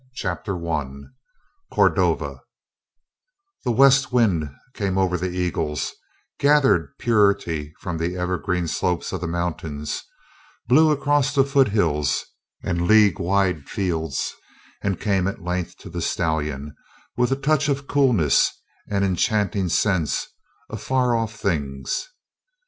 _ CHAPTER I CORDOVA The west wind came over the Eagles, gathered purity from the evergreen slopes of the mountains, blew across the foothills and league wide fields, and came at length to the stallion with a touch of coolness and enchanting scents of far off things.